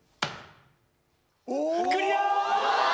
クリア！